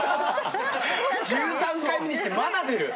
１３回目にしてまだ出る。